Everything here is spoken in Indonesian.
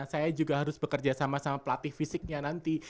saya juga harus bekerja sama sama pelatih fisiknya nanti